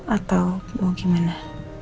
atau mau gimana